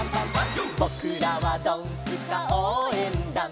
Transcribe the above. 「ぼくらはドンスカおうえんだん」